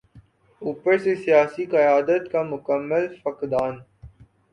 اوپر سے سیاسی قیادت کا مکمل فقدان۔